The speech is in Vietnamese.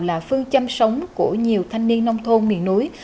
là phương châm sống của nhiều thanh niên nông thôn miền núi